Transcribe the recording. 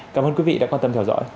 cảm ơn quý vị đã quan tâm theo dõi